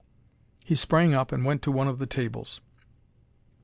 He sprang up and went to one of the tables.